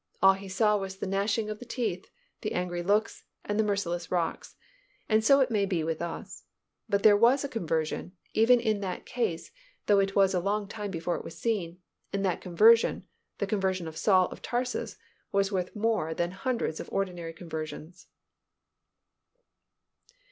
All he saw was the gnashing of the teeth, the angry looks and the merciless rocks, and so it may be with us. But there was a conversion, even in that case, though it was a long time before it was seen, and that conversion, the conversion of Saul of Tarsus, was worth more than hundreds of ordinary conversions.